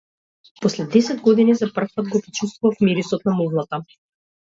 После десет години, за прв пат го почувствував мирисот на мувлата.